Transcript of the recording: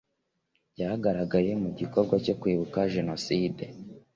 Byagaragaye mu gikorwa cyo Kwibuka Jenoside